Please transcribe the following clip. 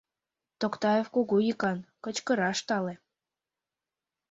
Токтаев кугу йӱкан, кычкыраш тале.